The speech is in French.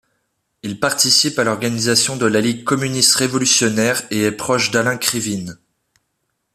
Il participe à l'organisation de la Ligue communiste révolutionnaire et est proche d'Alain Krivine.